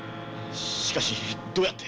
しかしどうやって。